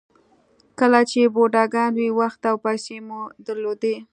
کله چې بوډاګان وئ وخت او پیسې مو درلودې.